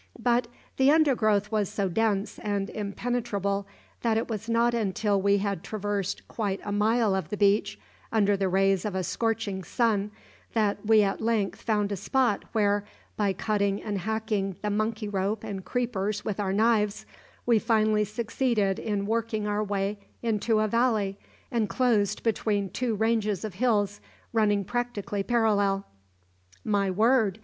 But the undergrowth was so dense and impenetrable that it was not until we had traversed quite a mile of the beach, under the rays of a scorching sun, that we at length found a spot where, by cutting and hacking the monkey rope and creepers with our knives, we finally succeeded in working our way into a valley enclosed between two ranges of hills running practically parallel. "My word!